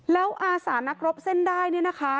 แล้วอาสานักรบเส้นได้เนี่ยนะคะ